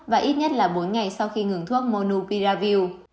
và ít nhất là bốn ngày sau khi ngừng thuốc monupiraville